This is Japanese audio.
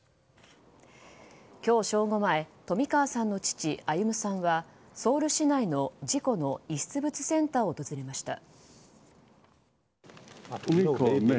今日正午前冨川さんの父・歩さんはソウル市内の事故の遺失物センターを訪れました。